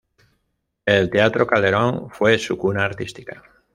El Teatro Calderón fue su cuna artística.